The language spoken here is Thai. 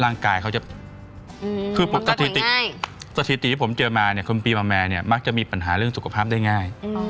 ร่างกายเขาจะคือสถิติที่ผมเจอมาเนี่ยคนปีเมมีย์เนี่ยมักจะมีปัญหาเรื่องสุขภาพได้ง่าย